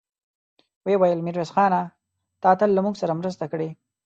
ويې ويل: ميرويس خانه! تا تل له موږ سره مرسته کړې.